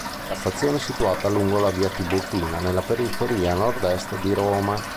La stazione è situata lungo la via Tiburtina nella periferia nord-est di Roma.